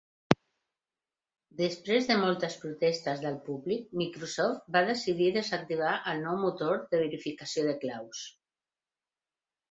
Després de moltes protestes del públic, Microsoft va decidir desactivar el nou motor de verificació de claus.